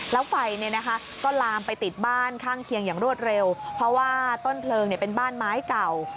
แล้วไฟก็ลามไปติดบ้านข้างเคียงอย่างรวดเร็วเพราะว่าต้นเพลิงเป็นบ้านไม้เก่า